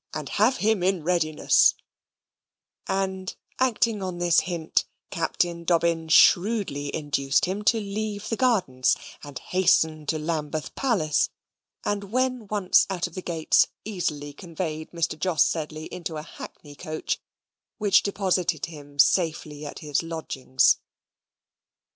and have him in readiness; and, acting on this hint, Captain Dobbin shrewdly induced him to leave the gardens and hasten to Lambeth Palace, and, when once out of the gates, easily conveyed Mr. Jos Sedley into a hackney coach, which deposited him safely at his lodgings.